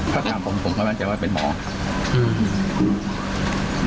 ถ้าถามผมผมก็มั่นใจว่าเป็นหมออืม